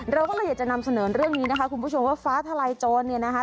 เราก็เลยอยากจะนำเสนอเรื่องนี้นะคะคุณผู้ชมว่าฟ้าทลายโจรเนี่ยนะคะ